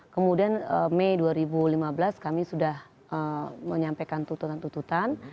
kemudian mei dua ribu lima belas kami sudah menyampaikan tuntutan tuntutan